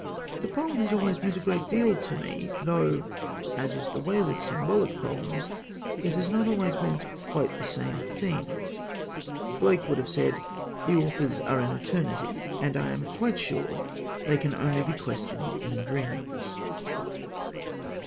The poem has always meant a great deal to me, though, as is the way with symbolic poems, it has not always meant quite the same thing. Blake would have said, "The authors are in eternity"; and I am quite sure they can only be questioned in dreams.